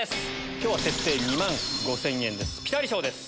今日は設定２万５０００円です。